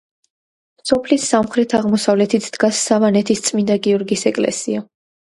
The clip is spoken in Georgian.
სოფლის სამხრეთ-აღმოსავლეთით დგას სავანეთის წმინდა გიორგის ეკლესია.